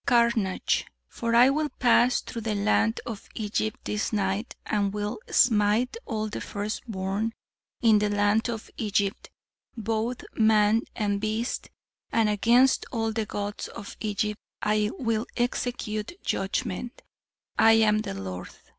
"Carnage. 'For I will pass through the land of Egypt this night and will smite all the first born in the land of Egypt, both man and beast; and against all the gods of Egypt I will execute judgment; I am the Lord.'